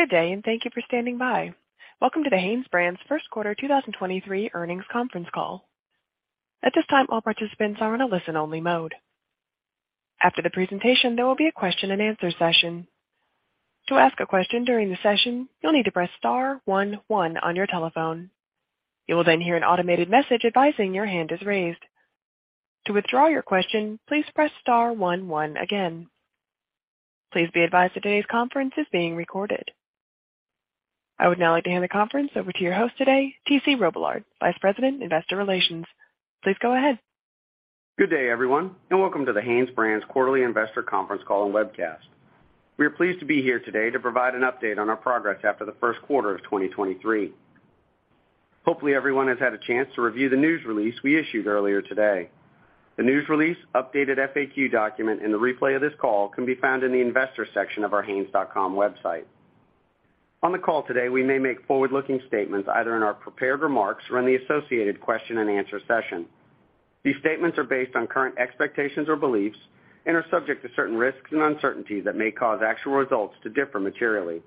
Good day, thank you for standing by. Welcome to the HanesBrands Q1 2023 Earnings Conference Call. At this time, all participants are in a listen-only mode. After the presentation, there will be a question-and-answer session. To ask a question during the session, you'll need to press star one one on your telephone. You will hear an automated message advising your hand is raised. To withdraw your question, please press star one one again. Please be advised that today's conference is being recorded. I would now like to hand the conference over to your host today, TC Robillard, Vice President, Investor Relations. Please go ahead. Good day, everyone, and welcome to the HanesBrands quarterly investor conference call and webcast. We are pleased to be here today to provide an update on our progress after the Q1 of 2023. Hopefully, everyone has had a chance to review the news release we issued earlier today. The news release, updated FAQ document, and the replay of this call can be found in the investor section of our hanes.com website. On the call today, we may make forward-looking statements either in our prepared remarks or in the associated question-and-answer session. These statements are based on current expectations or beliefs and are subject to certain risks and uncertainties that may cause actual results to differ materially.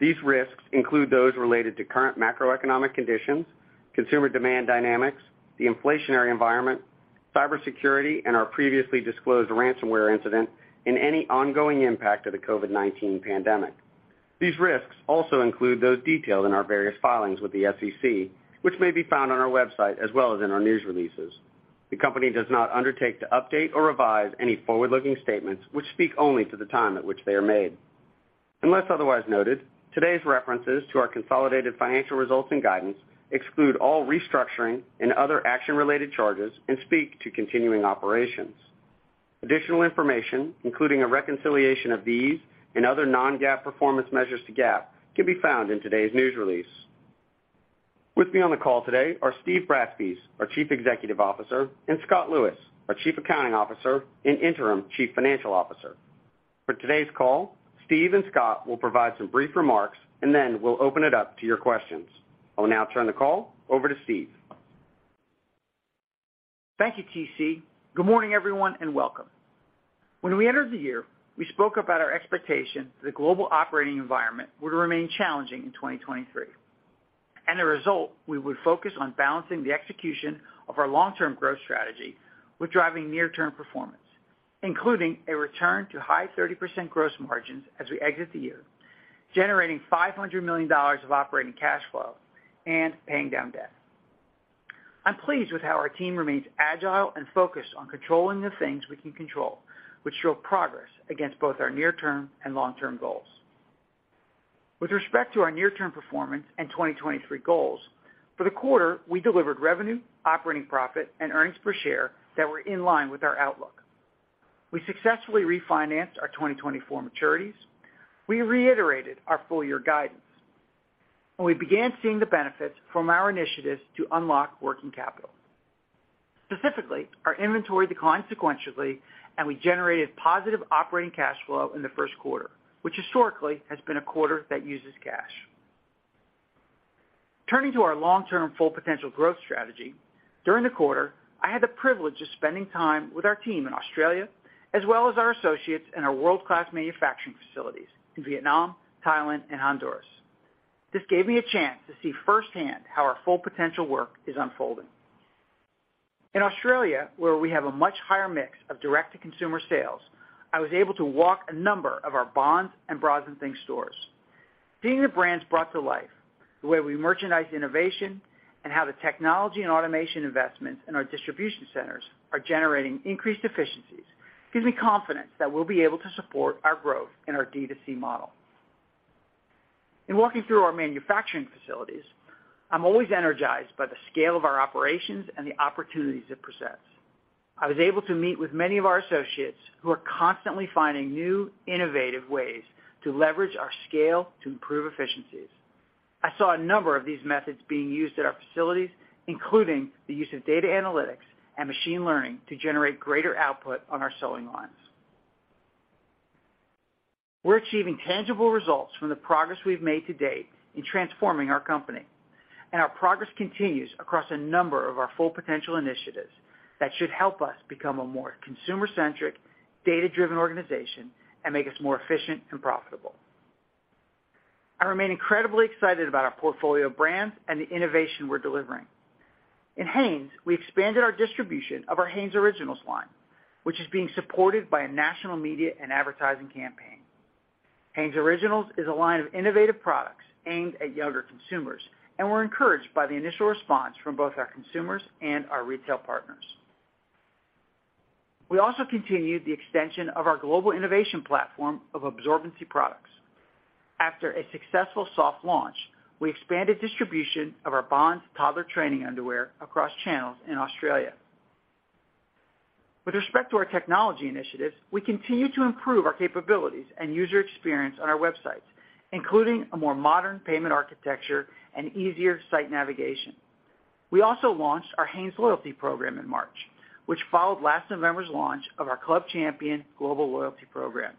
These risks include those related to current macroeconomic conditions, consumer demand dynamics, the inflationary environment, cybersecurity, and our previously disclosed ransomware incident, and any ongoing impact of the COVID-19 pandemic. These risks also include those detailed in our various filings with the SEC, which may be found on our website as well as in our news releases. The company does not undertake to update or revise any forward-looking statements which speak only to the time at which they are made. Unless otherwise noted, today's references to our consolidated financial results and guidance exclude all restructuring and other action-related charges and speak to continuing operations. Additional information, including a reconciliation of these and other non-GAAP performance measures to GAAP, can be found in today's news release. With me on the call today are Steve Bratspies, our Chief Executive Officer, and Scott Lewis, our Chief Accounting Officer and Interim Chief Financial Officer. For today's call, Steve and Scott will provide some brief remarks, and then we'll open it up to your questions. I will now turn the call over to Steve. Thank you, TC. Good morning, everyone, and welcome. When we entered the year, we spoke about our expectation that the global operating environment would remain challenging in 2023. The result, we would focus on balancing the execution of our long-term growth strategy with driving near-term performance, including a return to high 30% gross margins as we exit the year, generating $500 million of operating cash flow and paying down debt. I'm pleased with how our team remains agile and focused on controlling the things we can control, which show progress against both our near-term and long-term goals. With respect to our near-term performance and 2023 goals, for the quarter, we delivered revenue, operating profit, and earnings per share that were in line with our outlook. We successfully refinanced our 2024 maturities. We reiterated our full year guidance. We began seeing the benefits from our initiatives to unlock working capital. Specifically, our inventory declined sequentially, and we generated positive operating cash flow in the 1st quarter, which historically has been a quarter that uses cash. Turning to our long-term Full Potential growth strategy, during the quarter, I had the privilege of spending time with our team in Australia, as well as our associates in our world-class manufacturing facilities in Vietnam, Thailand, and Honduras. This gave me a chance to see firsthand how our Full Potential work is unfolding. In Australia, where we have a much higher mix of direct-to-consumer sales, I was able to walk a number of our Bonds and Bras N Things stores. Seeing the brands brought to life, the way we merchandise innovation, and how the technology and automation investments in our distribution centers are generating increased efficiencies gives me confidence that we'll be able to support our growth in our D2C model. In walking through our manufacturing facilities, I'm always energized by the scale of our operations and the opportunities it presents. I was able to meet with many of our associates who are constantly finding new, innovative ways to leverage our scale to improve efficiencies. I saw a number of these methods being used at our facilities, including the use of data analytics and machine learning to generate greater output on our sewing lines. We're achieving tangible results from the progress we've made to date in transforming our company, and our progress continues across a number of our Full Potential initiatives that should help us become a more consumer-centric, data-driven organization and make us more efficient and profitable. I remain incredibly excited about our portfolio of brands and the innovation we're delivering. In Hanes, we expanded our distribution of our Hanes Originals line, which is being supported by a national media and advertising campaign. Hanes Originals is a line of innovative products aimed at younger consumers, and we're encouraged by the initial response from both our consumers and our retail partners. We also continued the extension of our global innovation platform of absorbency products. After a successful soft launch, we expanded distribution of our Bonds toddler training underwear across channels in Australia. With respect to our technology initiatives, we continue to improve our capabilities and user experience on our websites, including a more modern payment architecture and easier site navigation. We also launched our Hanes loyalty program in March, which followed last November's launch of our Club Champion global loyalty program.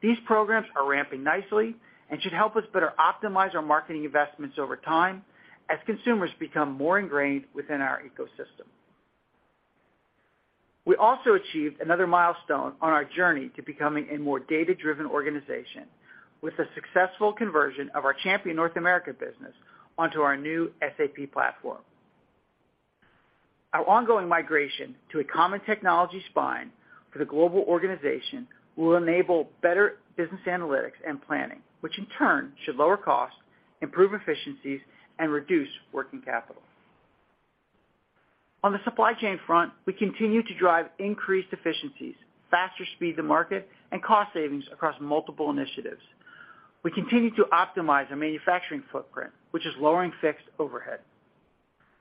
These programs are ramping nicely and should help us better optimize our marketing investments over time as consumers become more ingrained within our ecosystem. We also achieved another milestone on our journey to becoming a more data-driven organization with the successful conversion of our Champion North America business onto our new SAP platform. Our ongoing migration to a common technology spine for the global organization will enable better business analytics and planning, which in turn should lower costs, improve efficiencies, and reduce working capital. On the supply chain front, we continue to drive increased efficiencies, faster speed to market, and cost savings across multiple initiatives. We continue to optimize our manufacturing footprint, which is lowering fixed overhead.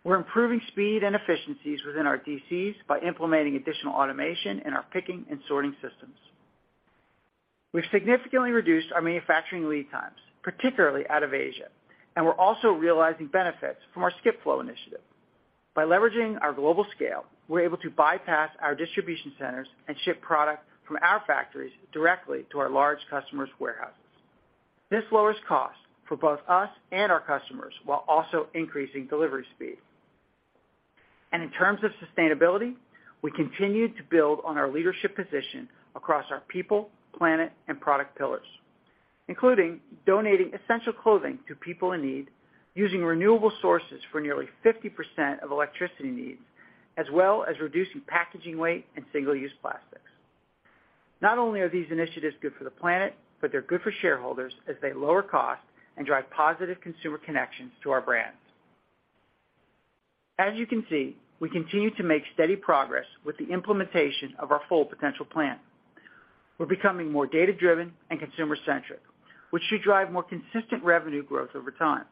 We're improving speed and efficiencies within our DCs by implementing additional automation in our picking and sorting systems. We've significantly reduced our manufacturing lead times, particularly out of Asia, and we're also realizing benefits from our Skip Flow initiative. By leveraging our global scale, we're able to bypass our distribution centers and ship product from our factories directly to our large customers' warehouses. This lowers costs for both us and our customers while also increasing delivery speed. In terms of sustainability, we continue to build on our leadership position across our people, planet, and product pillars, including donating essential clothing to people in need, using renewable sources for nearly 50% of electricity needs, as well as reducing packaging weight and single-use plastics. Not only are these initiatives good for the planet, but they're good for shareholders as they lower costs and drive positive consumer connections to our brands. As you can see, we continue to make steady progress with the implementation of our Full Potential plan. We're becoming more data-driven and consumer-centric, which should drive more consistent revenue growth over time.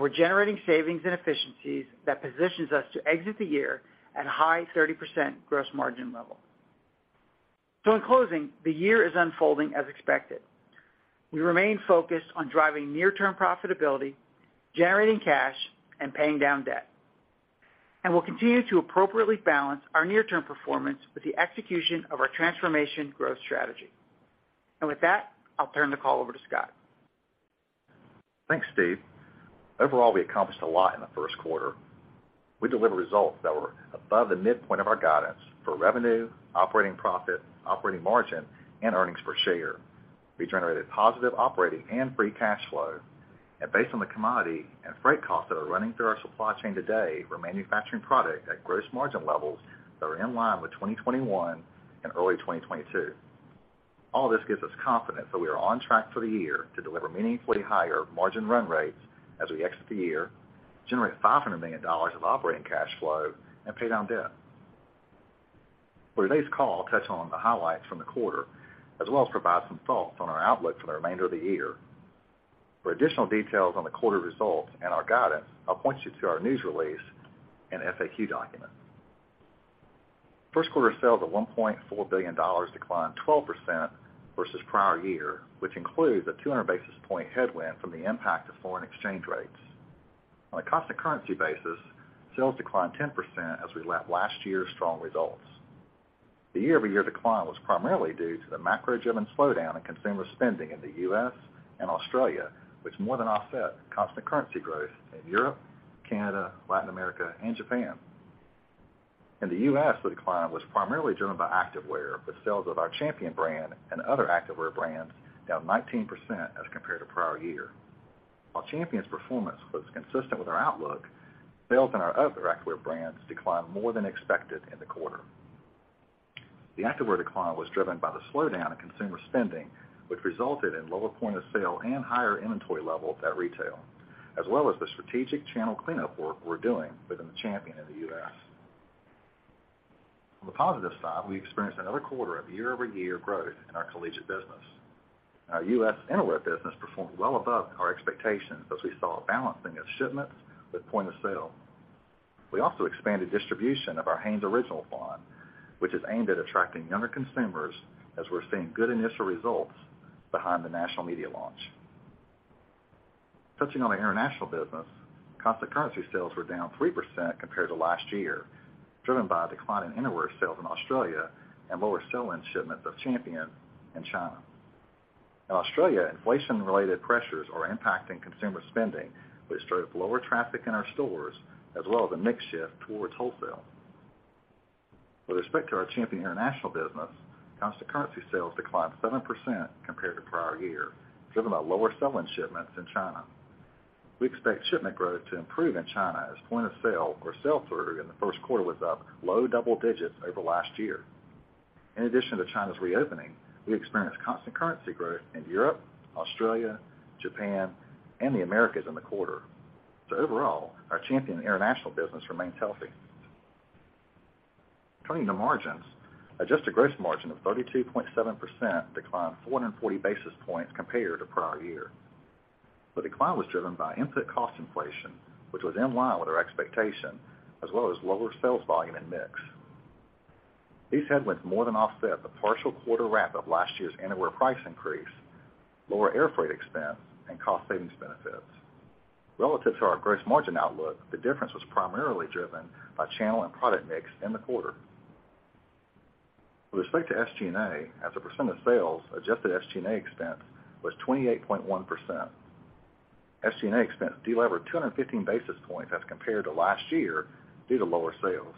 We're generating savings and efficiencies that positions us to exit the year at a high 30% gross margin level. In closing, the year is unfolding as expected. We remain focused on driving near-term profitability, generating cash, and paying down debt. We'll continue to appropriately balance our near-term performance with the execution of our transformation growth strategy. With that, I'll turn the call over to Scott. Thanks, Steve. Overall, we accomplished a lot in the Q1. We delivered results that were above the midpoint of our guidance for revenue, operating profit, operating margin, and earnings per share. We generated positive operating and free cash flow. Based on the commodity and freight costs that are running through our supply chain today, we're manufacturing product at gross margin levels that are in line with 2021 and early 2022. All this gives us confidence that we are on track for the year to deliver meaningfully higher margin run rates as we exit the year, generate $500 million of operating cash flow, and pay down debt. For today's call, I'll touch on the highlights from the quarter, as well as provide some thoughts on our outlook for the remainder of the year. For additional details on the quarter results and our guidance, I'll point you to our news release and FAQ document. Q1 sales of $1.4 billion declined 12% versus prior year, which includes a 200 basis point headwind from the impact of foreign exchange rates. On a constant currency basis, sales declined 10% as we lap last year's strong results. The year-over-year decline was primarily due to the macro-driven slowdown in consumer spending in the U.S. and Australia, which more than offset constant currency growth in Europe, Canada, Latin America, and Japan. In the U.S., the decline was primarily driven by activewear, with sales of our Champion brand and other activewear brands down 19% as compared to prior year. While Champion's performance was consistent with our outlook, sales in our other activewear brands declined more than expected in the quarter. The activewear decline was driven by the slowdown in consumer spending, which resulted in lower Point of Sale and higher inventory levels at retail, as well as the strategic channel cleanup work we're doing within the Champion in the U.S. On the positive side, we experienced another quarter of year-over-year growth in our collegiate business. Our U.S. innerwear business performed well above our expectations as we saw a balancing of shipments with Point of Sale. We also expanded distribution of our Hanes Originals, which is aimed at attracting younger consumers as we're seeing good initial results behind the national media launch. Touching on the international business, constant currency sales were down 3% compared to last year, driven by a decline in innerwear sales in Australia and lower sell-in shipments of Champion in China. In Australia, inflation-related pressures are impacting consumer spending, which drove lower traffic in our stores, as well as a mix shift towards wholesale. With respect to our Champion international business, constant currency sales declined 7% compared to prior year, driven by lower sell-in shipments in China. We expect shipment growth to improve in China as point of sale or sell-through in the Q1 was up low double digits over last year. In addition to China's reopening, we experienced constant currency growth in Europe, Australia, Japan, and the Americas in the quarter. Overall, our Champion international business remains healthy. Turning to margins, adjusted gross margin of 32.7% declined 440 basis points compared to prior year. The decline was driven by input cost inflation, which was in line with our expectation, as well as lower sales volume and mix. These headwinds more than offset the partial quarter ramp of last year's innerwear price increase, lower air freight expense, and cost savings benefits. Relative to our gross margin outlook, the difference was primarily driven by channel and product mix in the quarter. With respect to SG&A, as a percent of sales, adjusted SG&A expense was 28.1%. SG&A expense delevered 215 basis points as compared to last year due to lower sales.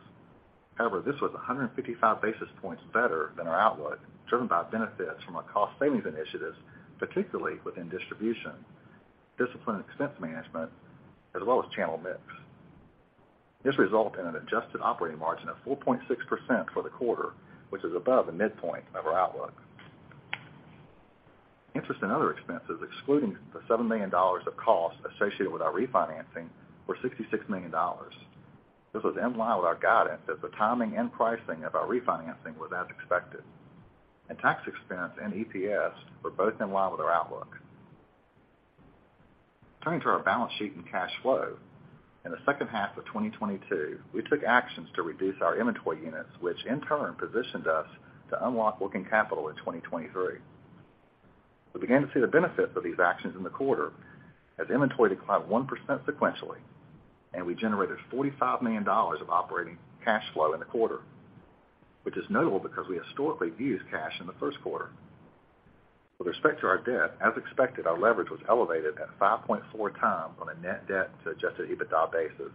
This was 155 basis points better than our outlook, driven by benefits from our cost savings initiatives, particularly within distribution, discipline expense management, as well as channel mix. This resulted in an adjusted operating margin of 4.6% for the quarter, which is above the midpoint of our outlook. Interest and other expenses, excluding the $7 million of costs associated with our refinancing, were $66 million. This was in line with our guidance as the timing and pricing of our refinancing was as expected. Tax expense and EPS were both in line with our outlook. Turning to our balance sheet and cash flow. In the second half of 2022, we took actions to reduce our inventory units, which in turn positioned us to unlock working capital in 2023. We began to see the benefits of these actions in the quarter as inventory declined 1% sequentially, and we generated $45 million of operating cash flow in the quarter, which is notable because we historically use cash in the Q1. With respect to our debt, as expected, our leverage was elevated at 5.4x on a net debt to adjusted EBITDA basis,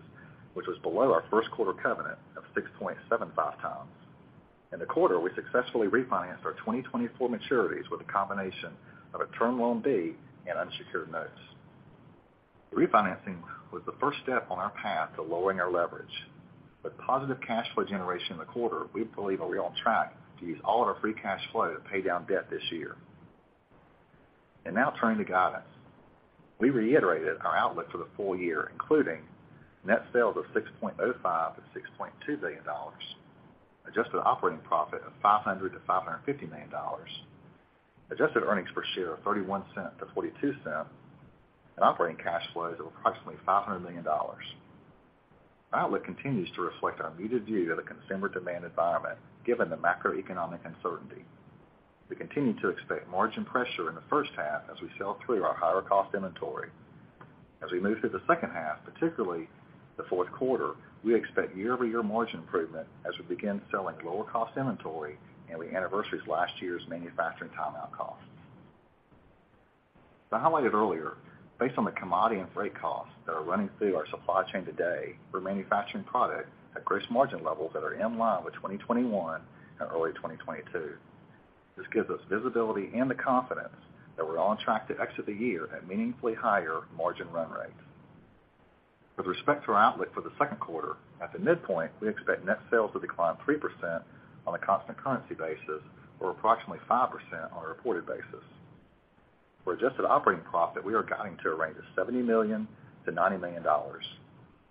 which was below our Q1 covenant of 6.75x. In the quarter, we successfully refinanced our 2024 maturities with a combination of a term loan B and unsecured notes. Refinancing was the first step on our path to lowering our leverage. With positive cash flow generation in the quarter, we believe are we on track to use all of our free cash flow to pay down debt this year. Now turning to guidance. We reiterated our outlook for the full year, including net sales of $6.05-6.2 billion, adjusted operating profit of $500-550 million, adjusted earnings per share of $0.31-0.42, and operating cash flows of approximately $500 million. Our outlook continues to reflect our muted view of the consumer demand environment given the macroeconomic uncertainty. We continue to expect margin pressure in the first half as we sell through our higher cost inventory. As we move through the second half, particularly the Q4, we expect year-over-year margin improvement as we begin selling lower cost inventory and we anniversaries last year's manufacturing timeout costs. As I highlighted earlier, based on the commodity and freight costs that are running through our supply chain today, we're manufacturing product at gross margin levels that are in line with 2021 and early 2022. This gives us visibility and the confidence that we're on track to exit the year at meaningfully higher margin run rates. With respect to our outlook for the Q2, at the midpoint, we expect net sales to decline 3% on a constant currency basis or approximately 5% on a reported basis. For adjusted operating profit, we are guiding to a range of $70-90 million.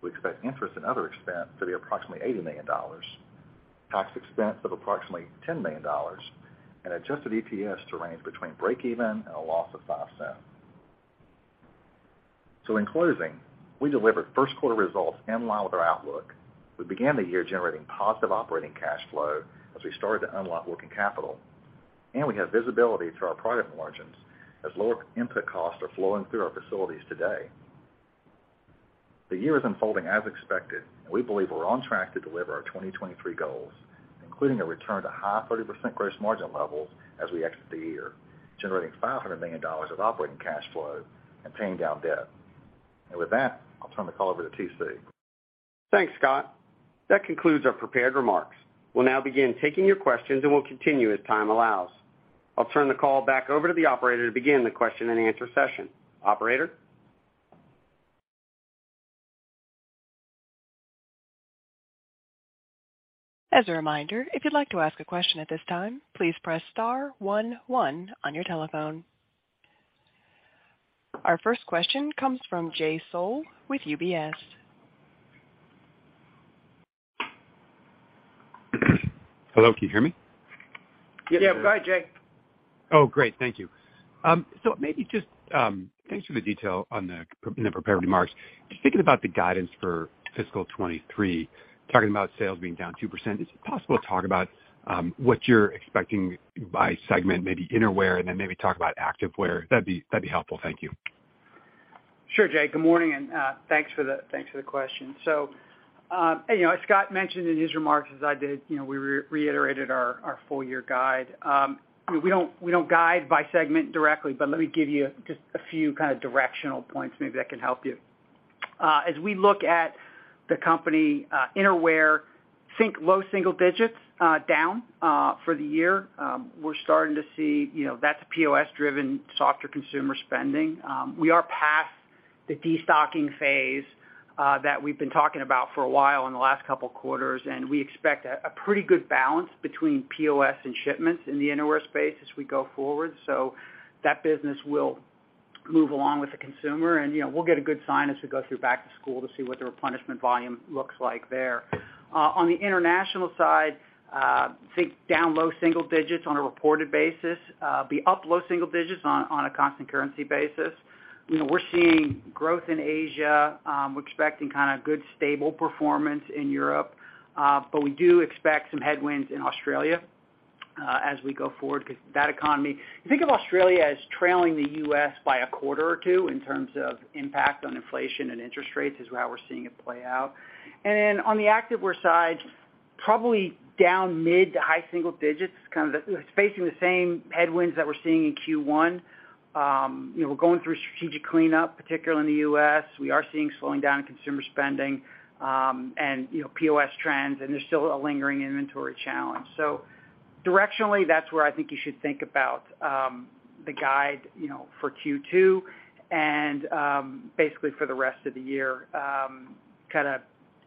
We expect interest and other expense to be approximately $80 million, tax expense of approximately $10 million, and adjusted EPS to range between breakeven and a loss of $0.05. In closing, we delivered Q1 results in line with our outlook. We began the year generating positive operating cash flow as we started to unlock working capital, and we have visibility to our product margins as lower input costs are flowing through our facilities today. The year is unfolding as expected, and we believe we're on track to deliver our 2023 goals, including a return to high 30% gross margin levels as we exit the year, generating $500 million of operating cash flow and paying down debt. With that, I'll turn the call over to TC. Thanks, Scott. That concludes our prepared remarks. We'll now begin taking your questions and we'll continue as time allows. I'll turn the call back over to the operator to begin the question and answer session. Operator? As a reminder, if you'd like to ask a question at this time, please press star one one on your telephone. Our first question comes from Jay Sole with UBS. Hello, can you hear me? Yes, sir. Yeah. Go ahead, Jay. Great. Thank you. Maybe just, thanks for the detail on the, in the prepared remarks. Just thinking about the guidance for fiscal 23, talking about sales being down 2%, is it possible to talk about what you're expecting by segment, maybe innerwear, and then maybe talk about activewear? That'd be helpful. Thank you. Sure, Jay Sole. Good morning, thanks for the question. you know, as Scott Lewis mentioned in his remarks, as I did, you know, we reiterated our full year guide. We don't guide by segment directly, but let me give you just a few kind of directional points maybe that can help you. As we look at the company, innerwear, think low single digits down for the year. We're starting to see, you know, that's POS driven, softer consumer spending. We are past the destocking phase that we've been talking about for a while in the last couple of quarters, and we expect a pretty good balance between POS and shipments in the innerwear space as we go forward. That business will move along with the consumer. You know, we'll get a good sign as we go through back to school to see what the replenishment volume looks like there. On the international side, think down low single digits on a reported basis, be up low single digits on a constant currency basis. You know, we're seeing growth in Asia. We're expecting kinda good, stable performance in Europe, but we do expect some headwinds in Australia, as we go forward because that economy. Think of Australia as trailing the U.S. by a quarter or two in terms of impact on inflation and interest rates is how we're seeing it play out. On the activewear side Probably down mid to high single digits, it's facing the same headwinds that we're seeing in Q1. You know, we're going through strategic cleanup, particularly in the U.S. We are seeing slowing down in consumer spending, and, you know, POS trends, and there's still a lingering inventory challenge. Directionally, that's where I think you should think about the guide, you know, for Q2 and basically for the rest of the year. Kind of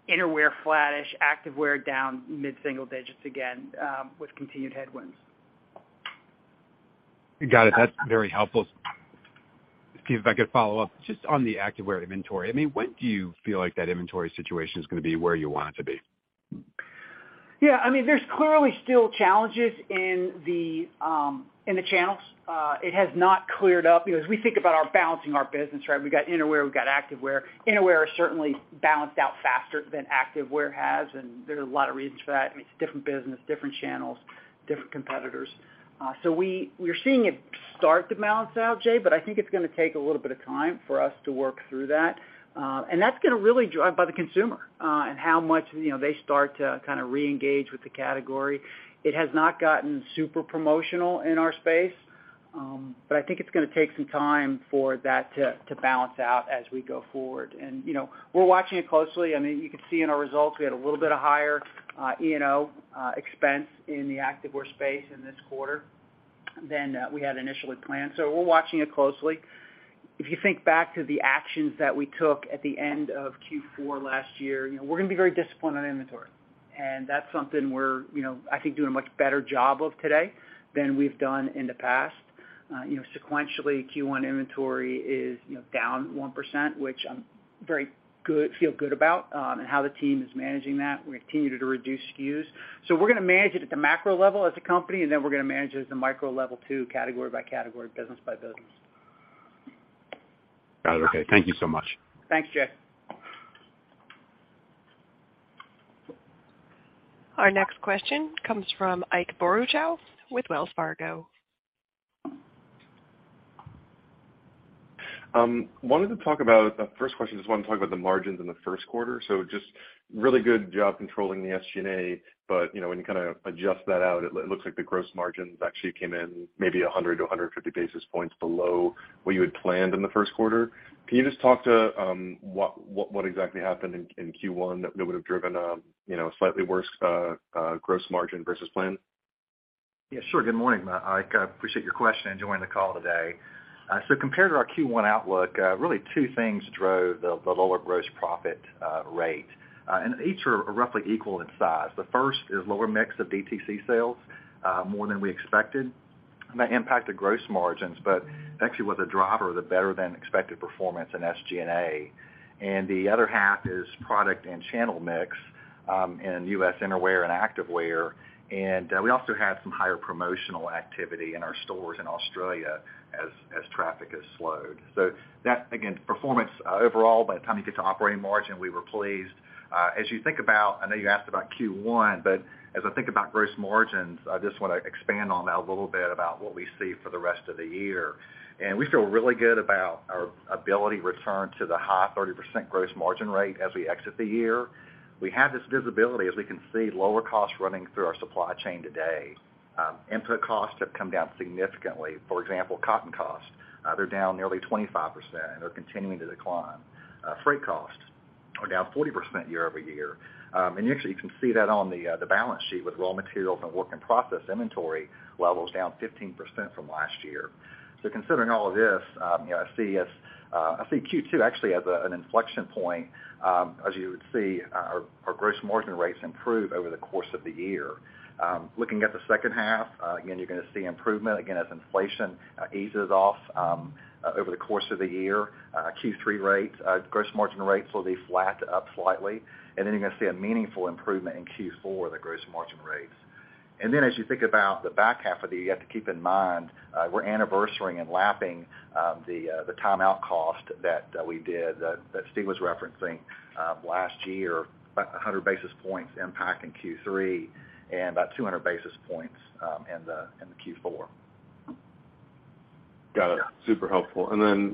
innerwear, flattish, activewear down mid-single digits again, with continued headwinds. Got it. That's very helpful. Steve, if I could follow up just on the activewear inventory. I mean, when do you feel like that inventory situation is gonna be where you want it to be? Yeah, I mean, there's clearly still challenges in the in the channels. It has not cleared up. You know, as we think about our balancing our business, right, we've got innerwear, we've got activewear. Innerwear is certainly balanced out faster than activewear has, and there's a lot of reasons for that. I mean, it's different business, different channels, different competitors. We're seeing it start to balance out, Jay, but I think it's gonna take a little bit of time for us to work through that. That's gonna really drive by the consumer, and how much, you know, they start to kind of reengage with the category. It has not gotten super promotional in our space, but I think it's gonna take some time for that to balance out as we go forward. You know, we're watching it closely. I mean, you could see in our results, we had a little bit of higher E&O expense in the activewear space in this quarter than we had initially planned. We're watching it closely. If you think back to the actions that we took at the end of Q4 last year, you know, we're gonna be very disciplined on inventory. That's something we're, you know, I think doing a much better job of today than we've done in the past. You know, sequentially, Q1 inventory is, you know, down 1%, which I'm feel good about, and how the team is managing that. We're continuing to reduce SKUs. We're gonna manage it at the macro level as a company, and then we're gonna manage it as the micro level too, category by category, business by business. Got it. Okay. Thank you so much. Thanks, Jay. Our next question comes from Ike Boruchow with Wells Fargo. Wanted to talk about first question, just want to talk about the margins in the Q1. Just really good job controlling the SG&A, but, you know, when you kind of adjust that out, it looks like the gross margins actually came in maybe 100 to 150 basis points below what you had planned in the Q1. Can you just talk to what exactly happened in Q1 that would've driven, you know, a slightly worse gross margin versus plan? Yeah, sure. Good morning, Ike. I appreciate your question and joining the call today. Compared to our Q1 outlook, really two things drove the lower gross profit rate, and each are roughly equal in size. The first is lower mix of DTC sales, more than we expected. That impacted gross margins, but actually was a driver of the better than expected performance in SG&A. The other half is product and channel mix in U.S. innerwear and activewear. We also had some higher promotional activity in our stores in Australia as traffic has slowed. That, again, performance overall by the time you get to operating margin, we were pleased. As you think about... I know you asked about Q1, but as I think about gross margins, I just wanna expand on that a little bit about what we see for the rest of the year. We feel really good about our ability to return to the high 30% gross margin rate as we exit the year. We have this visibility as we can see lower costs running through our supply chain today. Input costs have come down significantly. For example, cotton costs, they're down nearly 25% and are continuing to decline. Freight costs are down 40% year-over-year. And actually, you can see that on the balance sheet with raw materials and work in process inventory levels down 15% from last year. Considering all of this, you know, I see Q2 actually as an inflection point, as you would see our gross margin rates improve over the course of the year. Looking at the second half, again, you're gonna see improvement again as inflation eases off over the course of the year. Q3 rates, gross margin rates will be flat to up slightly, and then you're gonna see a meaningful improvement in Q4, the gross margin rates. As you think about the back half of the year, you have to keep in mind, we're anniversarying and lapping the timeout cost that Steve was referencing last year. About 100 basis points impact in Q3 and about 200 basis points in the Q4. Got it. Super helpful.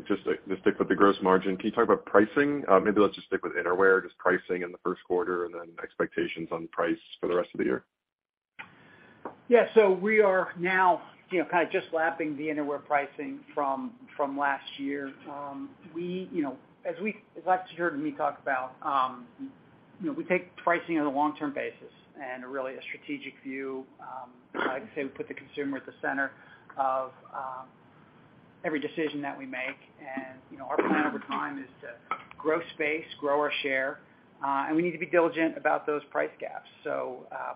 Just stick with the gross margin, can you talk about pricing? Maybe let's just stick with innerwear, just pricing in the Q1 and then expectations on price for the rest of the year. Yeah. We are now, you know, kind of just lapping the innerwear pricing from last year. We, you know, as you heard me talk about, you know, we take pricing on a long-term basis and really a strategic view. Like I say, we put the consumer at the center of every decision that we make. You know, our plan over time is to grow space, grow our share, and we need to be diligent about those price gaps.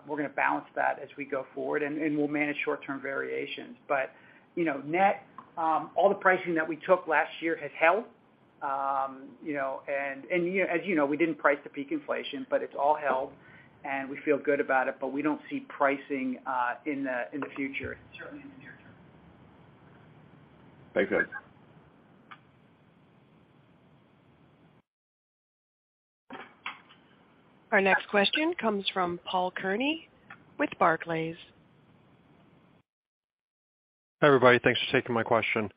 We're gonna balance that as we go forward and we'll manage short-term variations. You know, net, all the pricing that we took last year has held. you know, and as you know, we didn't price the peak inflation, but it's all held, and we feel good about it, but we don't see pricing in the, in the future, certainly in the near term. Thanks, guys. Our next question comes from Paul Kearney with Barclays. Hi, everybody. Thanks for taking my question.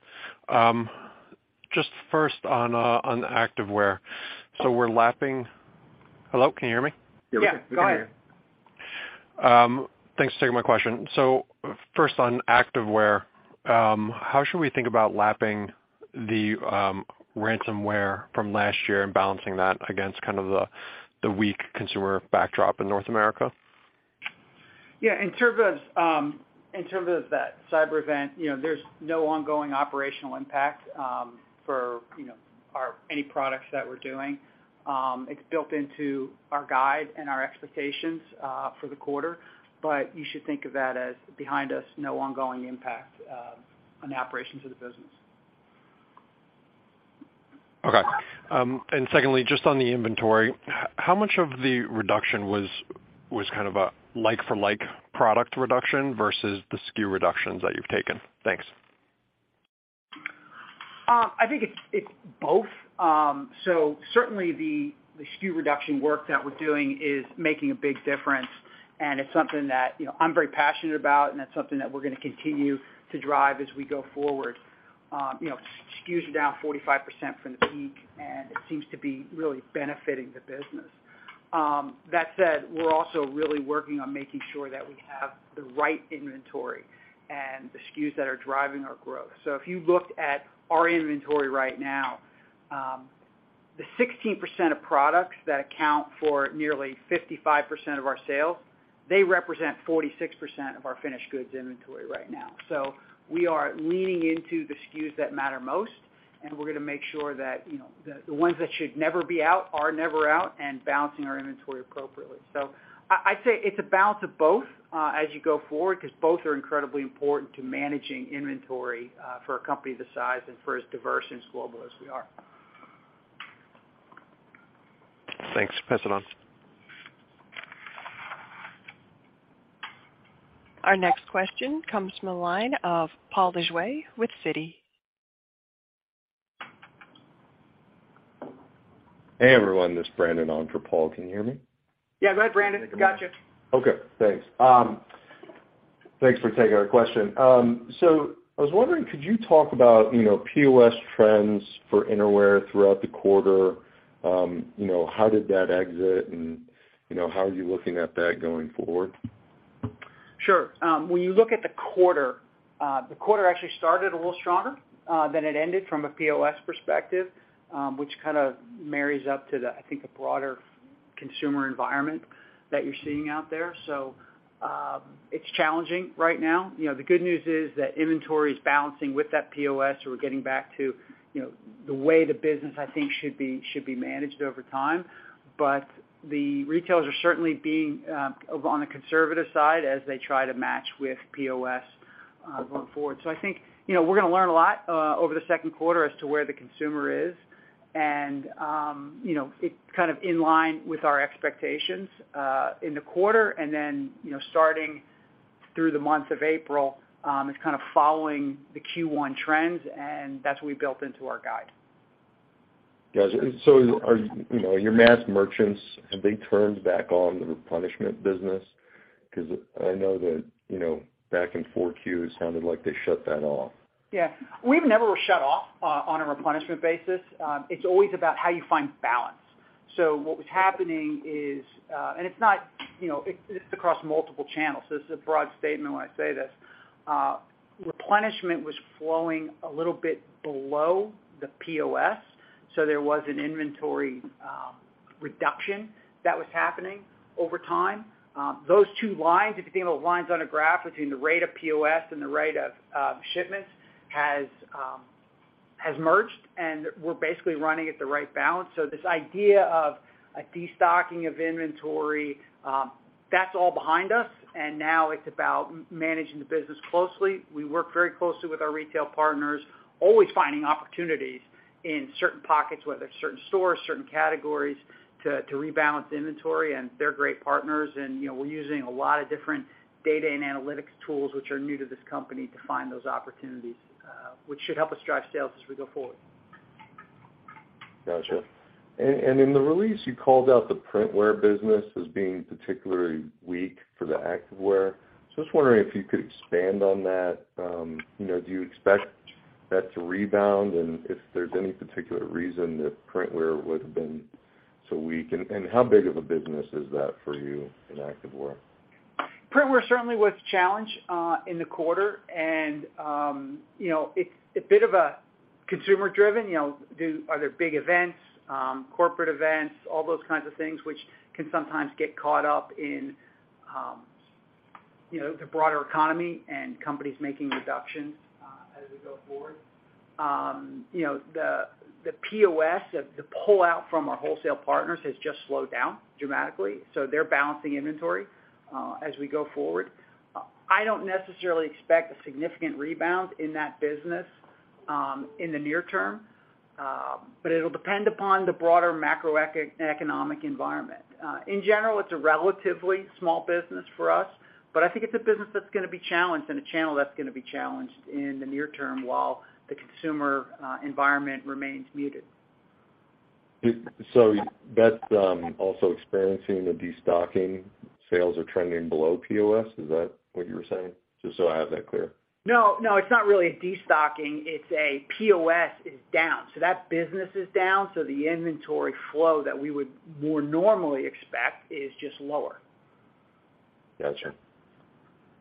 Just first on Activewear. We're lapping... Hello, can you hear me? Yeah, go ahead. Thanks for taking my question. First on Activewear, how should we think about lapping the ransomware from last year and balancing that against kind of the weak consumer backdrop in North America? Yeah, in terms of, in terms of that cyber event, you know, there's no ongoing operational impact, for, you know, any products that we're doing. It's built into our guide and our expectations, for the quarter. You should think of that as behind us, no ongoing impact, on the operations of the business. Okay. Secondly, just on the inventory, how much of the reduction was kind of a like-for-like product reduction versus the SKU reductions that you've taken? Thanks. I think it's both. Certainly the SKU reduction work that we're doing is making a big difference, and it's something that, you know, I'm very passionate about, and that's something that we're gonna continue to drive as we go forward. You know, SKUs are down 45% from the peak, and it seems to be really benefiting the business. That said, we're also really working on making sure that we have the right inventory and the SKUs that are driving our growth. If you looked at our inventory right now, the 16% of products that account for nearly 55% of our sales, they represent 46% of our finished goods inventory right now. We are leaning into the SKUs that matter most, and we're gonna make sure that, you know, the ones that should never be out are never out and balancing our inventory appropriately. I'd say it's a balance of both as you go forward because both are incredibly important to managing inventory for a company this size and for as diverse and as global as we are. Thanks. Passing on. Our next question comes from the line of Paul Lejuez with Citi. Hey, everyone, this is Brandon on for Paul. Can you hear me? Yeah. Go ahead, Brandon. Gotcha. Thanks. Thanks for taking our question. I was wondering, could you talk about, you know, POS trends for Innerwear throughout the quarter? You know, how did that exit and, you know, how are you looking at that going forward? Sure. When you look at the quarter, the quarter actually started a little stronger than it ended from a POS perspective, which kind of marries up to the, I think, a broader consumer environment that you're seeing out there. It's challenging right now. You know, the good news is that inventory is balancing with that POS. We're getting back to, you know, the way the business, I think, should be, should be managed over time. The retailers are certainly being on the conservative side as they try to match with POS going forward. I think, you know, we're gonna learn a lot over the Q2 as to where the consumer is and, you know, it's kind of in line with our expectations in the quarter. you know, starting through the month of April, it's kind of following the Q1 trends, and that's what we built into our guide. Got you. You know, your mass merchants, have they turned back on the replenishment business? 'Cause I know that, you know, back in 4Q, it sounded like they shut that off. Yeah. We've never shut off on a replenishment basis. It's always about how you find balance. What was happening is, and it's not, you know, it's across multiple channels, so this is a broad statement when I say this. Replenishment was flowing a little bit below the POS, so there was an inventory reduction that was happening over time. Those two lines, if you think about lines on a graph between the rate of POS and the rate of shipments, has merged, and we're basically running at the right balance. This idea of a destocking of inventory, that's all behind us, and now it's about managing the business closely. We work very closely with our retail partners, always finding opportunities in certain pockets, whether it's certain stores, certain categories, to rebalance inventory. They're great partners and, you know, we're using a lot of different data and analytics tools which are new to this company to find those opportunities, which should help us drive sales as we go forward. Gotcha. In the release, you called out the Printwear business as being particularly weak for the Activewear. I was wondering if you could expand on that. you know, do you expect that to rebound? If there's any particular reason that Printwear would have been so weak, and how big of a business is that for you in Activewear? Printwear certainly was a challenge in the quarter. You know, it's a bit of a consumer driven, you know, are there big events, corporate events, all those kinds of things which can sometimes get caught up in, you know, the broader economy and companies making reductions as we go forward. You know, the POS, the pullout from our wholesale partners has just slowed down dramatically. They're balancing inventory as we go forward. I don't necessarily expect a significant rebound in that business in the near term, but it'll depend upon the broader macroeconomic environment. In general, it's a relatively small business for us, but I think it's a business that's gonna be challenged and a channel that's gonna be challenged in the near term while the consumer environment remains muted. That's also experiencing the destocking. Sales are trending below POS? Is that what you were saying? Just so I have that clear. No, no, it's not really a destocking, it's a POS is down. That business is down, so the inventory flow that we would more normally expect is just lower. Gotcha.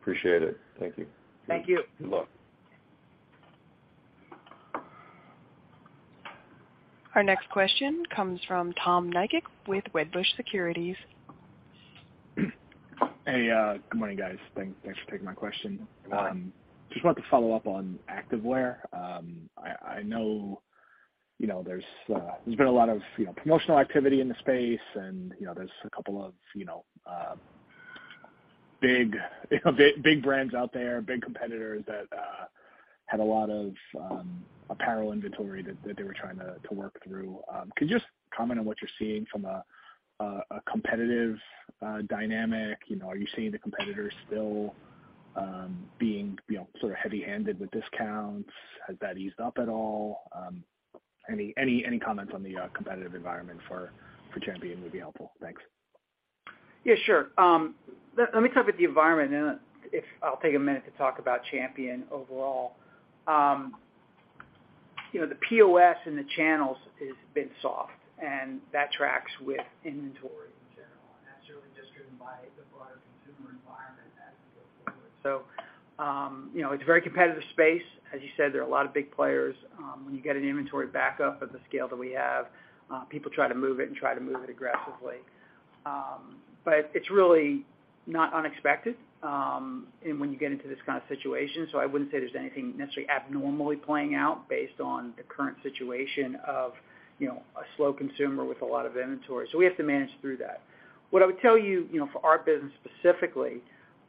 Appreciate it. Thank you. Thank you. Good luck. Our next question comes from Tom Nikic with Wedbush Securities. Hey, good morning, guys. Thanks for taking my question. Uh. Just wanted to follow up on activewear. I know, you know, there's been a lot of, you know, promotional activity in the space, and, you know, there's a couple of, you know, big brands out there, big competitors that had a lot of apparel inventory that they were trying to work through. Could you just comment on what you're seeing from a competitive dynamic? You know, are you seeing the competitors still being, you know, sort of heavy-handed with discounts? Has that eased up at all? Any comments on the competitive environment for Champion would be helpful. Thanks. Yeah, sure. Let me talk about the environment, and then I'll take a minute to talk about Champion overall. You know, the POS in the channels is a bit soft, and that tracks with inventory in general, and that's certainly just driven by the broader consumer environment as we go forward. You know, it's a very competitive space. As you said, there are a lot of big players. When you get an inventory backup of the scale that we have, people try to move it and try to move it aggressively. It's really not unexpected, and when you get into this kind of situation, I wouldn't say there's anything necessarily abnormally playing out based on the current situation of, you know, a slow consumer with a lot of inventory. We have to manage through that. What I would tell you know, for our business specifically,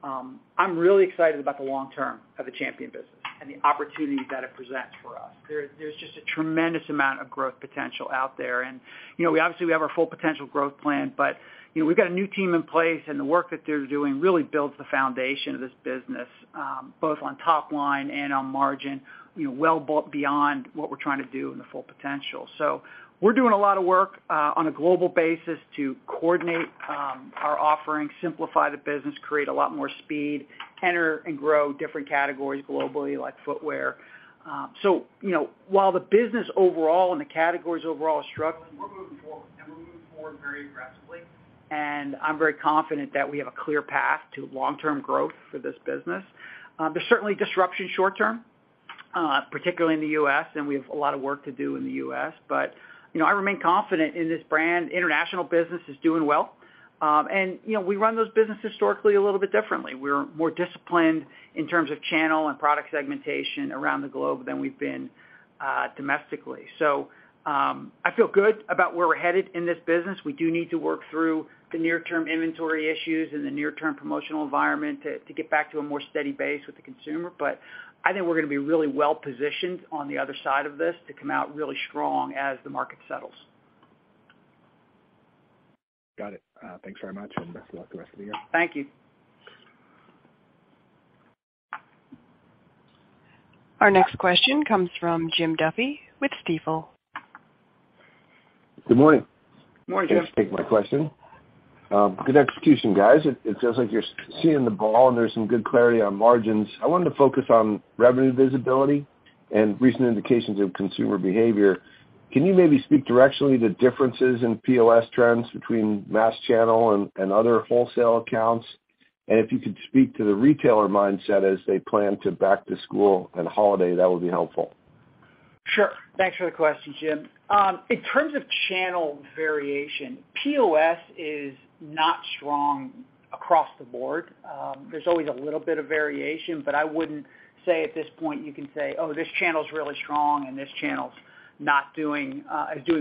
I'm really excited about the long term of the Champion business and the opportunity that it presents for us. There's just a tremendous amount of growth potential out there. You know, we obviously, we have our Full Potential growth plan, you know, we've got a new team in place, and the work that they're doing really builds the foundation of this business, both on top line and on margin, you know, well beyond what we're trying to do in the Full Potential. We're doing a lot of work on a global basis to coordinate our offerings, simplify the business, create a lot more speed, enter and grow different categories globally, like footwear. You know, while the business overall and the categories overall are struggling, we're moving forward, and we're moving forward very aggressively. I'm very confident that we have a clear path to long-term growth for this business. There's certainly disruption short term, particularly in the U.S., and we have a lot of work to do in the U.S. You know, I remain confident in this brand. International business is doing well. You know, we run those businesses historically a little bit differently. We're more disciplined in terms of channel and product segmentation around the globe than we've been domestically. I feel good about where we're headed in this business. We do need to work through the near-term inventory issues and the near-term promotional environment to get back to a more steady base with the consumer. I think we're gonna be really well positioned on the other side of this to come out really strong as the market settles. Got it. Thanks very much, and best of luck the rest of the year. Thank you. Our next question comes from Jim Duffy with Stifel. Good morning. Morning, Jim. Thanks for taking my question. Good execution, guys. It sounds like you're seeing the ball, and there's some good clarity on margins. I wanted to focus on revenue visibility and recent indications of consumer behavior. Can you maybe speak directionally to differences in POS trends between mass channel and other wholesale accounts? If you could speak to the retailer mindset as they plan to back to school and holiday, that would be helpful. Sure. Thanks for the question, Jim. In terms of channel variation, POS is not strong across the board. There's always a little bit of variation, but I wouldn't say at this point you can say, "Oh, this channel's really strong and this channel's not doing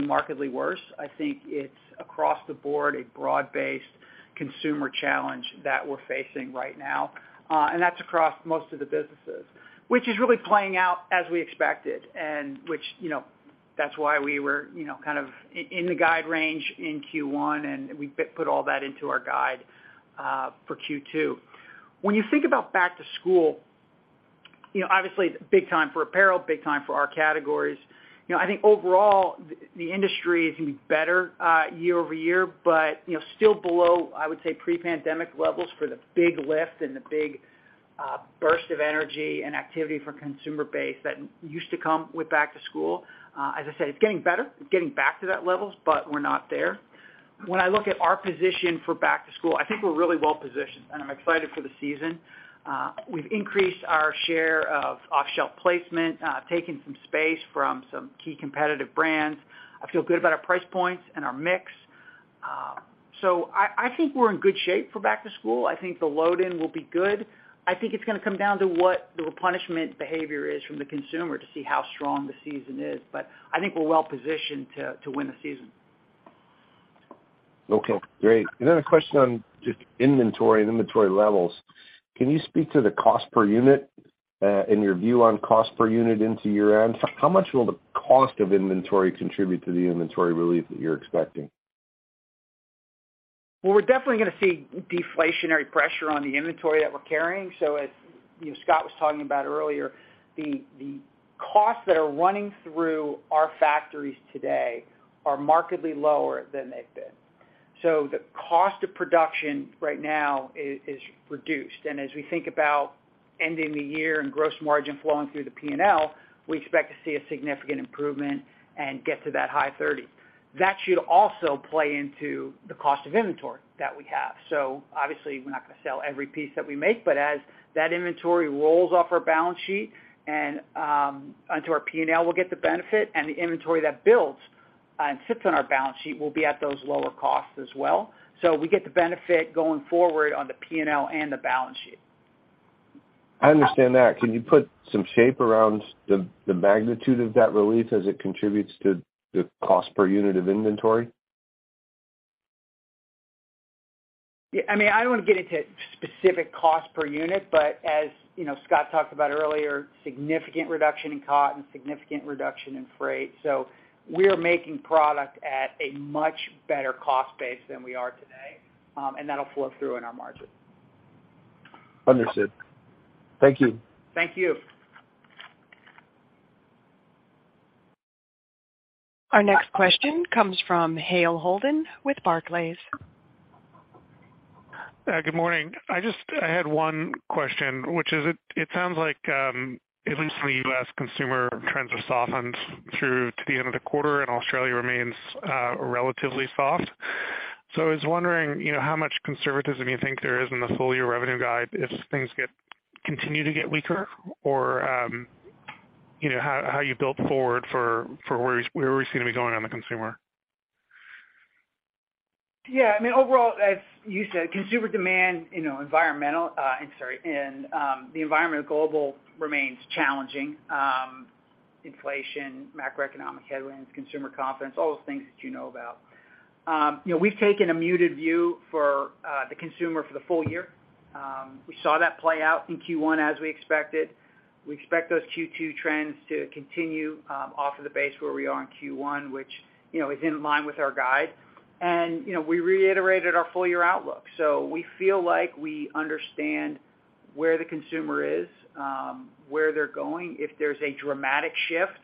markedly worse." I think it's across the board a broad-based consumer challenge that we're facing right now, and that's across most of the businesses, which is really playing out as we expected and which, you know, that's why we were, you know, kind of in the guide range in Q1, and we put all that into our guide for Q2. When you think about back to school, you know, obviously it's big time for apparel, big time for our categories. You know, I think overall the industry is gonna be better year-over-year, but, you know, still below, I would say, pre-pandemic levels for the big lift and the big burst of energy and activity for consumer base that used to come with back to school. As I said, it's getting better. It's getting back to that levels, but we're not there. When I look at our position for back to school, I think we're really well positioned, and I'm excited for the season. We've increased our share of off-shelf placement, taking some space from some key competitive brands. I feel good about our price points and our mix. I think we're in good shape for back to school. I think the load in will be good. I think it's gonna come down to what the replenishment behavior is from the consumer to see how strong the season is, but I think we're well positioned to win the season. Okay, great. Then a question on just inventory and inventory levels. Can you speak to the cost per unit and your view on cost per unit into year-end? How much will the cost of inventory contribute to the inventory relief that you're expecting? We're definitely gonna see deflationary pressure on the inventory that we're carrying. As, you know, Scott was talking about earlier, the costs that are running through our factories today are markedly lower than they've been. The cost of production right now is reduced. As we think about ending the year and gross margin flowing through the P&L, we expect to see a significant improvement and get to that high thirty. That should also play into the cost of inventory that we have. Obviously, we're not gonna sell every piece that we make, but as that inventory rolls off our balance sheet and onto our P&L, we'll get the benefit, and the inventory that builds and sits on our balance sheet will be at those lower costs as well. We get the benefit going forward on the P&L and the balance sheet. I understand that. Can you put some shape around the magnitude of that relief as it contributes to the cost per unit of inventory? Yeah. I mean, I don't wanna get into specific cost per unit, but as, you know, Scott talked about earlier, significant reduction in cotton, significant reduction in freight. We're making product at a much better cost base than we are today, and that'll flow through in our margins. Understood. Thank you. Thank you. Our next question comes from Hale Holden with Barclays. Good morning. I had one question, which is, it sounds like, at least for the U.S., consumer trends have softened through to the end of the quarter, and Australia remains relatively soft. I was wondering, you know, how much conservatism you think there is in the full year revenue guide if things continue to get weaker or, you know, how you built forward for where we're gonna be going on the consumer. Yeah, I mean, overall, as you said, consumer demand, you know, environmental, I'm sorry. The environment global remains challenging, inflation, macroeconomic headwinds, consumer confidence, all those things that you know about. You know, we've taken a muted view for the consumer for the full year. We saw that play out in Q1 as we expected. We expect those Q2 trends to continue off of the base where we are in Q1, which, you know, is in line with our guide. You know, we reiterated our full year outlook. We feel like we understand where the consumer is, where they're going. If there's a dramatic shift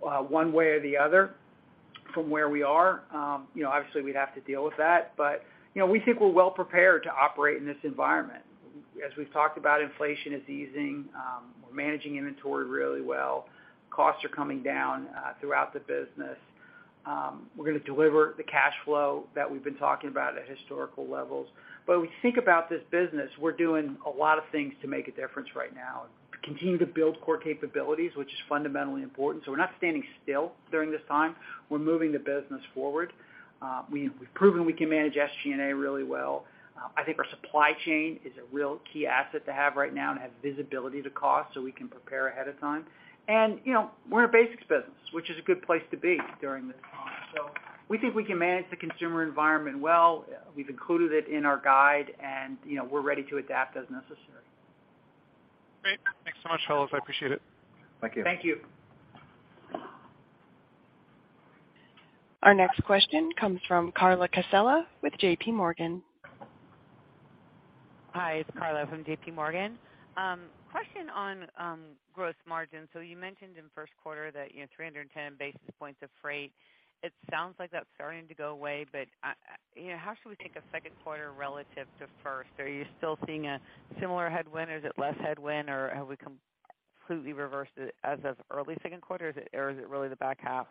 one way or the other from where we are, you know, obviously we'd have to deal with that. You know, we think we're well prepared to operate in this environment. As we've talked about, inflation is easing, we're managing inventory really well. Costs are coming down throughout the business. We're gonna deliver the cash flow that we've been talking about at historical levels. When we think about this business, we're doing a lot of things to make a difference right now, continue to build core capabilities, which is fundamentally important. We're not standing still during this time. We're moving the business forward. We've proven we can manage SG&A really well. I think our supply chain is a real key asset to have right now and has visibility to cost, so we can prepare ahead of time. You know, we're in a basics business, which is a good place to be during this time. We think we can manage the consumer environment well. We've included it in our guide, and, you know, we're ready to adapt as necessary. Great. Thanks so much, fellas. I appreciate it. Thank you. Our next question comes from Carla Casella with JPMorgan. Hi, it's Carla from JPMorgan. Question on growth margin. You mentioned in Q1 that, you know, 310 basis points of freight. It sounds like that's starting to go away, but, you know, how should we think of Q2 relative to first? Are you still seeing a similar headwind? Or is it less headwind or have we completely reversed it as of early Q2, or is it really the back half?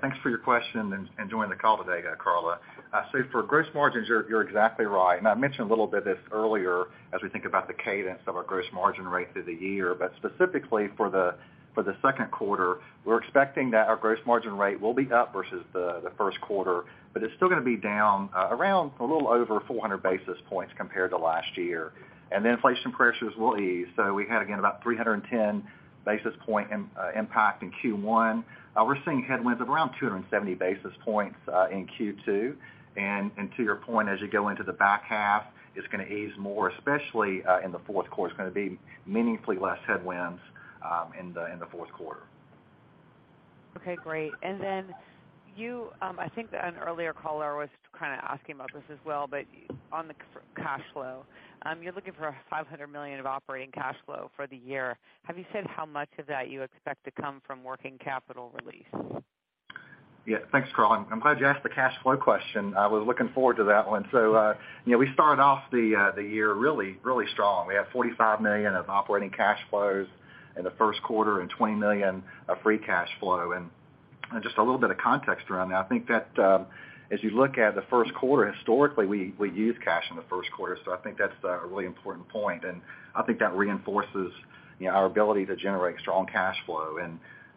Thanks for your question and joining the call today, Carla. I'd say for gross margins, you're exactly right. I mentioned a little bit this earlier as we think about the cadence of our gross margin rate through the year. Specifically for the Q2, we're expecting that our gross margin rate will be up versus the Q1, but it's still gonna be down around a little over 400 basis points compared to last year. The inflation pressures will ease. We had, again, about 310 basis point impact in Q1. We're seeing headwinds of around 270 basis points in Q2. To your point, as you go into the back half, it's gonna ease more, especially in the Q4. It's gonna be meaningfully less headwinds in the Q4. Okay, great. You, I think an earlier caller was kinda asking about this as well, but on the cash flow, you're looking for $500 million of operating cash flow for the year. Have you said how much of that you expect to come from working capital release? Yeah. Thanks, Carla. I'm glad you asked the cash flow question. I was looking forward to that one. you know, we started off the year really, really strong. We had $45 million of operating cash flows in the Q1 and $20 million of free cash flow. just a little bit of context around that, I think that, as you look at the Q1, historically, we use cash in the Q1. I think that's a really important point, and I think that reinforces, you know, our ability to generate strong cash flow.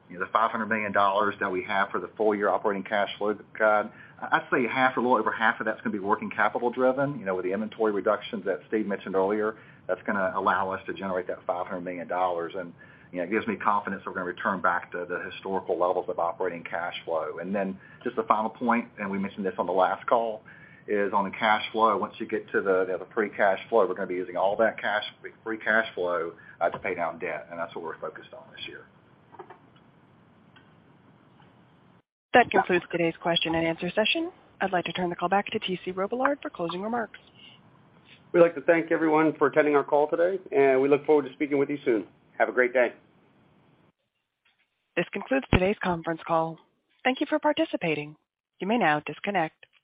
you know, the $500 million that we have for the full year operating cash flow guide, I'd say half or a little over half of that's gonna be working capital driven. You know, with the inventory reductions that Steve mentioned earlier, that's gonna allow us to generate that $500 million. You know, it gives me confidence that we're gonna return back to the historical levels of operating cash flow. Just the final point, and we mentioned this on the last call, is on the cash flow. Once you get to the free cash flow, we're gonna be using all that cash, free cash flow, to pay down debt, and that's what we're focused on this year. That concludes today's question and answer session. I'd like to turn the call back to T.C. Robillard for closing remarks. We'd like to thank everyone for attending our call today. We look forward to speaking with you soon. Have a great day. This concludes today's conference call. Thank you for participating. You may now disconnect.